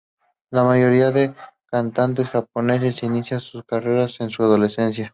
La mayoría de cantantes japoneses inician sus carreras en su adolescencia.